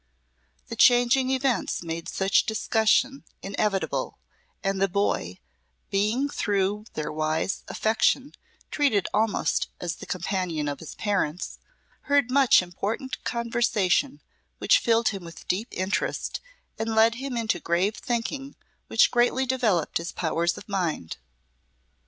The changing events made such discussion inevitable, and the boy, being through their wise affection treated almost as the companion of his parents, heard much important conversation which filled him with deep interest and led him into grave thinking which greatly developed his powers of mind.